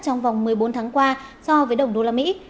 trong vòng một mươi bốn tháng qua so với đồng đô la mỹ